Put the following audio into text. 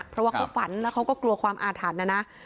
เพราะว่าเขาฝันแล้วเขาก็กลัวความอาถรรพ์นะนะ